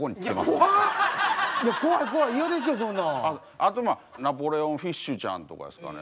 あとナポレオンフィッシュちゃんとかですかね。